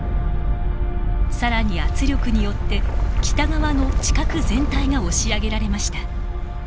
更に圧力によって北側の地殻全体が押し上げられました。